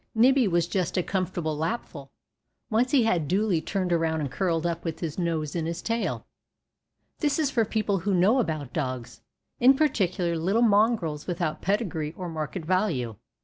Nibbie was just a comfortable lapful, once he had duly turned around and curled up with his nose in his tail. This is for people who know about dogs, in particular little mongrels without pedigree or market value.